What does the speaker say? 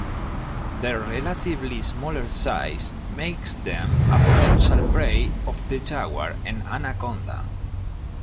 Their relatively smaller size makes them a potential prey of the jaguar and anaconda.